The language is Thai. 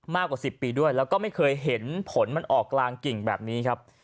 มากกว่า๑๐ปีด้วยแล้วก็ไม่เคยเห็นผลมันออกกลางกิ่งแบบนี้ครับ